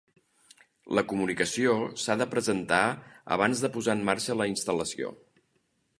La comunicació s'ha de presentar abans de posar en marxa la instal·lació.